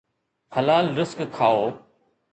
حلال رزق کائو